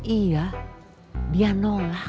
iya dia nolak